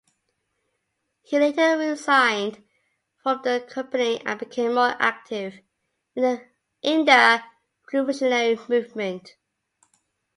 He later resigned from the company and became more active in the revolutionary movement.